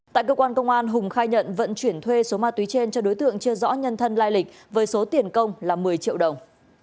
tại cơ quan công an hùng khai nhận vận chuyển thuê số ma túy trên cho đối tượng chưa rõ nhân thân lai lịch với số tiền công là một mươi triệu đồng